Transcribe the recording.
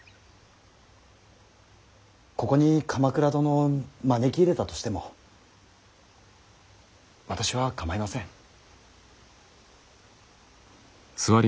ここに鎌倉殿を招き入れたとしても私は構いません。